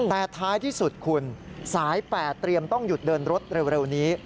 แต่ท้ายที่สุดคุณสาย๘เตรียมต้องหยุดเดินรถเร็วนี้